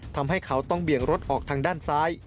ทำให้เขาต้องเบี่ยงรถออกทางด้านซ้าย